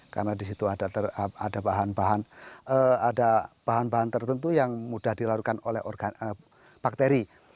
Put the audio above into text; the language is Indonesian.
karena di situ ada bahan bahan tertentu yang mudah dilakukan oleh bakteri